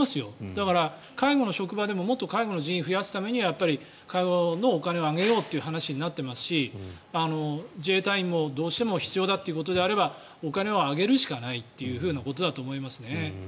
だから、介護の職場でももっと介護の人員を増やすためには介護のお金を上げようという話になっていますし自衛隊員も、どうしても必要だということになればお金を上げるしかないということだと思います。